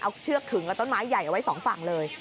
เอาเชือกขึงและต้นไม้ใหญ่เอาไว้สองฝั่งเลย